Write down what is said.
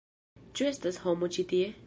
Ĉu estas homo ĉi tie?